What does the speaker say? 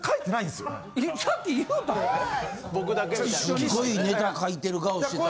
すっごいネタ書いてる顔してた。